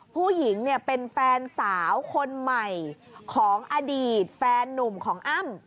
ผู้หญิงเนี่ยเป็นแฟนสาวคนใหม่ของอดีตแฟนนุ่มของอ้ำ